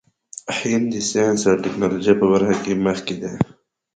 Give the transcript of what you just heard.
هند د ساینس او ټیکنالوژۍ په برخه کې مخکې دی.